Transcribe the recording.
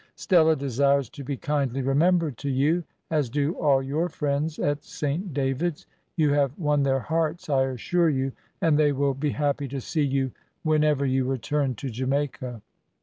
"Stella desires to be kindly remembered to you, as do all your friends at Saint David's. You have won their hearts, I assure you, and they will be happy to see you whenever you return to Jamaica.